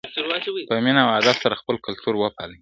په مینه او ادب سره خپل کلتور وپالئ.